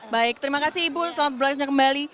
baik terima kasih ibu selamat berbelanja kembali